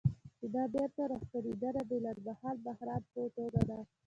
چې دا بیرته راستنېدنه د لنډمهاله بحران په توګه نه